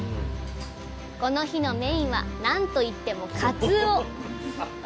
この日のメインはなんといっても鰹。